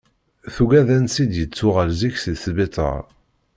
Tuggad ansi d-yettuɣal zik si sbiṭar.